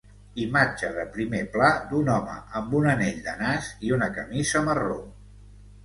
imatge de primer pla d'un home amb un anell de nas i una camisa marró